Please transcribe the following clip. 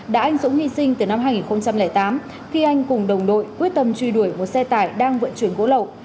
đã anh dũng hy sinh từ năm hai nghìn tám khi anh cùng đồng đội quyết tâm truy đuổi một xe tải đang vận chuyển gỗ lậu